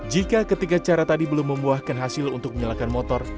jika ketiga cara tadi belum membuahkan hasil untuk menyalakan motor